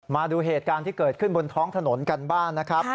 มาดูเหตุการณ์ที่เกิดขึ้นบนท้องถนนกันบ้างนะครับ